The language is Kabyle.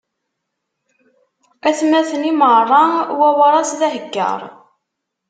Atmaten imeṛṛa, wawras d uheggaṛ.